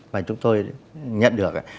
mà chúng tôi nhận được